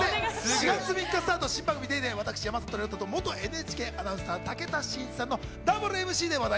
４月３日スタート、新番組、ＤａｙＤａｙ．私、山里と元ＮＨＫアナウンサーの武田真一さんと、ダブルＭＣで話題。